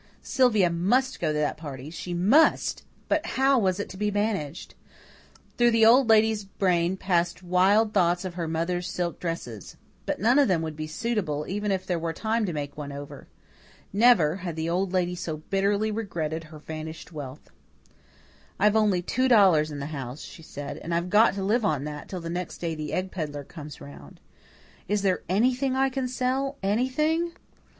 Sylvia must go to that party she MUST. But how was it to be managed? Through the Old Lady's brain passed wild thoughts of her mother's silk dresses. But none of them would be suitable, even if there were time to make one over. Never had the Old Lady so bitterly regretted her vanished wealth. "I've only two dollars in the house," she said, "and I've got to live on that till the next day the egg pedlar comes round. Is there anything I can sell ANYTHING?